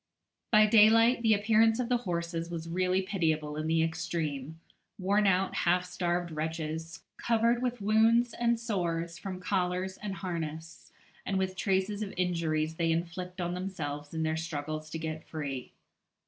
By daylight, the appearance of the horses was really pitiable in the extreme worn out, half starved wretches, covered with wounds and sores from collars and harness, and with traces of injuries they inflict on themselves in their struggles to get free.